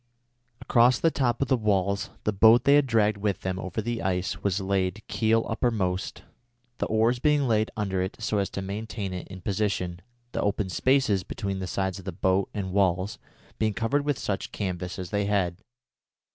Across the top of the walls the boat they had dragged with them over the ice was laid keel uppermost, the oars being laid under it so as to maintain it in position, the open spaces between the sides of the boat and the walls being covered with such canvas as they had.